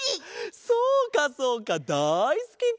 そうかそうかだいすきか！